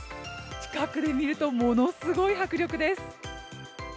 近くで見るとものすごい迫力です。